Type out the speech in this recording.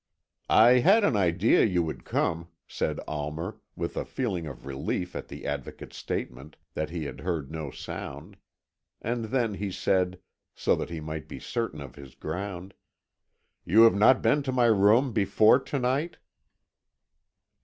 "I had an idea you would come," said Almer, with a feeling of relief at the Advocate's statement that he had heard no sound; and then he said, so that he might be certain of his ground, "You have not been to my room before to night?"